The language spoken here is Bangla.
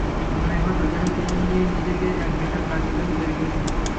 মনে হত, যেন তিনি নিজেকে এক বিশাল কাজের জন্য তৈরী করছেন।